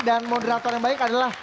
dan moderator yang baik adalah